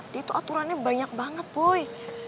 dia tuh aturannya banyak banget boy